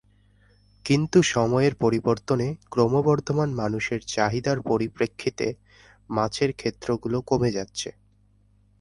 কিন্তু সময়ের পরিবর্তনে ক্রমবর্ধমান মানুষের চাহিদার পরিপ্রেক্ষিতে মাছের ক্ষেত্রগুলো কমে যাচ্ছে।